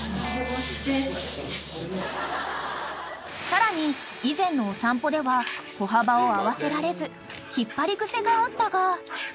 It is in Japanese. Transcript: ［さらに以前のお散歩では歩幅を合わせられず引っ張り癖があったが］